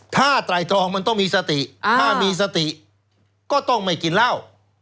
ถ้าไตรตรองมันต้องมีสติถ้ามีสติก็ต้องไม่กินเหล้า